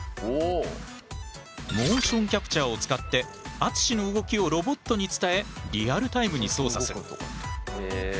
モーションキャプチャーを使って淳の動きをロボットに伝えリアルタイムに操作する。